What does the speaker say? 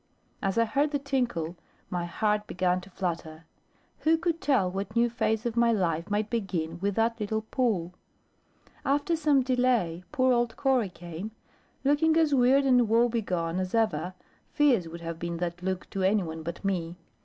As I heard the tinkle, my heart began to flutter: who could tell what new phase of my life might begin with that little pull? After some delay, poor old Cora came, looking as weird and woebegone as ever fierce would have been that look to any one but me.